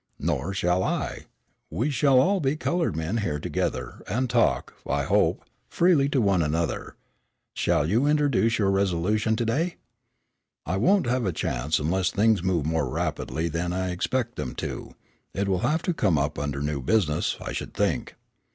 "Nor shall I. We shall all be colored men here together, and talk, I hope, freely one to the other. Shall you introduce your resolution to day?" "I won't have a chance unless things move more rapidly than I expect them to. It will have to come up under new business, I should think."